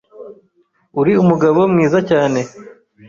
Uri umugabo mwiza cyane, .